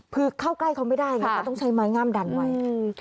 คือเข้าใกล้เขาไม่ได้ไงเขาต้องใช้ไม้งามดันไว้